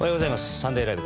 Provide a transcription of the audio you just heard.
「サンデーＬＩＶＥ！！」